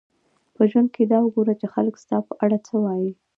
په ژوند کښي دا وګوره، چي خلک ستا په اړه څه وايي.